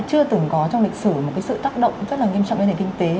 chưa từng có trong lịch sử một cái sự tác động rất là nghiêm trọng đến thành phố hồ chí minh